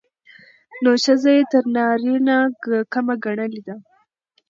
نو ښځه يې تر نارينه کمه ګڼلې ده.